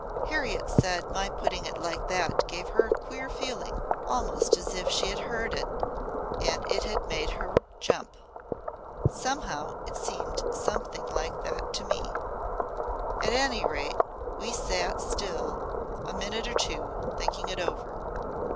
Harriet said my putting it like that gave her a queer feeling almost as if she had heard it and it had made her jump. Somehow it seemed something like it to me. At any rate we sat still a minute or two, thinking it over.